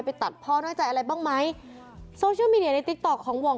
ไปตัดพ่อน้อยใจอะไรบ้างไหมโซเชียลมีเดียในติ๊กต๊อกของห่อง